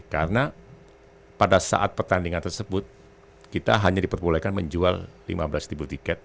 karena pada saat pertandingan tersebut kita hanya diperbolehkan menjual lima belas tiket